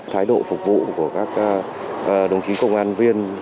thái độ phục vụ của các đồng chí công an viên